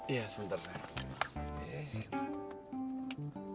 iya sebentar sayang